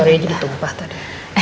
surya jadi tumpah tadi